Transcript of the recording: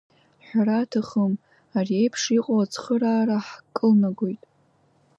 Ҳәара аҭахым, ари еиԥш иҟоу ацхыраара ҳкылнагоит…